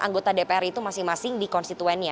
anggota dpr itu masing masing di konstituennya